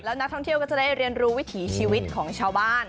นักท่องเที่ยวก็จะได้เรียนรู้วิถีชีวิตของชาวบ้าน